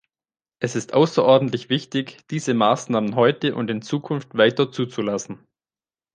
Es ist außerordentlich wichtig, diese Maßnahmen heute und in Zukunft weiter zuzulassen.